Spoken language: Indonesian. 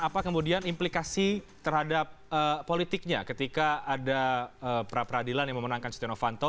apa kemudian implikasi terhadap politiknya ketika ada pra peradilan yang memenangkan setia novanto